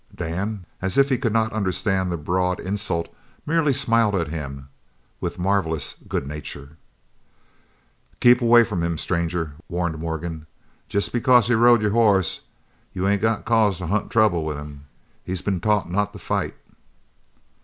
Dan, as if he could not understand the broad insult, merely smiled at him with marvellous good nature. "Keep away from him, stranger," warned Morgan. "Jest because he rode your hoss you ain't got a cause to hunt trouble with him. He's been taught not to fight."